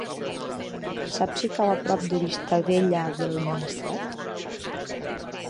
Saps si cau a prop de Vistabella del Maestrat?